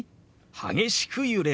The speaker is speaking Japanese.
「激しく揺れる」。